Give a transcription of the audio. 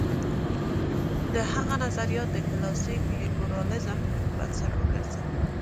د هغه نظریات د کلاسیک لېبرالېزم بنسټ وګرځېد.